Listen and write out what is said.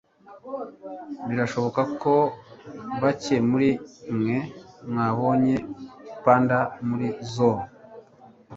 Birashoboka ko bake muri mwe mwabonye panda muri zoo.